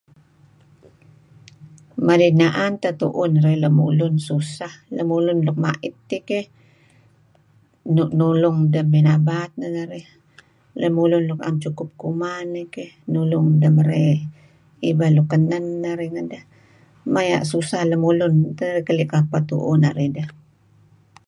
printah memang idah milah idih nuuh [um]lamulun lam[um]nah ngeri nuk tuan dah ngimat[um] lah. kadih man tah idah pangah sanisuk lun mulah, kuh lun maral panuuh.